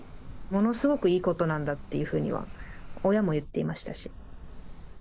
ものすごくいいことなんだっていうふうには、親も言っていましたし。